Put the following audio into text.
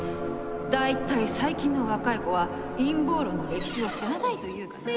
大体最近の若い子は陰謀論の歴史を知らないというか。